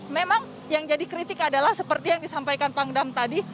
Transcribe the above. memang yang jadi kritik adalah seperti yang disampaikan pangdam tadi